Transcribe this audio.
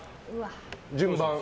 順番。